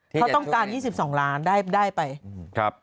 เขาต้องการ๒๒ล้านได้ไปครับ